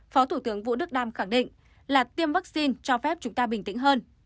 phó thủ tướng vũ đức đam khẳng định là tiêm vaccine cho phép chúng ta bình tĩnh hơn